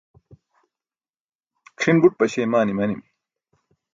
cʰin buṭ paśeimaan imanimi